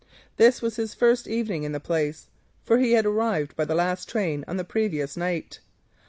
This was his first evening in the place, for he had arrived by the last train on the previous night.